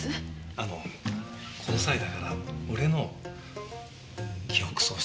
あのこの際だから俺の記憶喪失の事